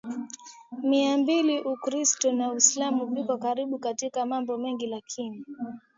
Mia mbili Ukristo na Uislamu viko karibu katika mambo mengi lakini